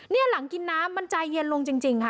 นี่หลังกินน้ำมันใจเย็นลงจริงค่ะ